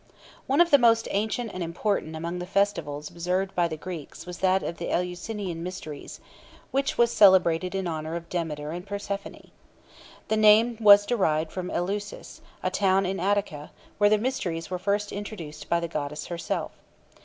One of the most ancient and important among the festivals observed by the Greeks was that of the Eleusinian Mysteries, which was celebrated in honour of Demeter and Persephone. The name was derived from Eleusis, a town in Attica, where the Mysteries were first introduced by the goddess herself.